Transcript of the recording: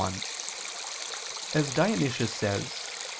1: As Dionysius says (Ep.